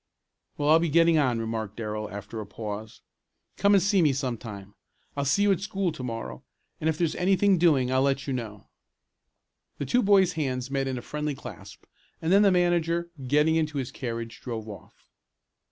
"Well, I'll be getting on," remarked Darrell, after a pause. "Come and see me sometime. I'll see you at school to morrow, and if there's anything doing I'll let you know." The two boys' hands met in a friendly clasp and then the manager, getting into his carriage, drove off.